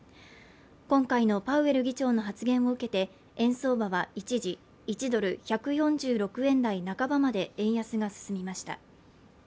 今回のパウエル議長の発言を受けて円相場は一時１ドル＝１４６円台半ばまで円安が進みました